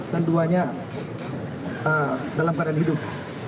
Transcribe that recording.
dan duanya dalam badan hidup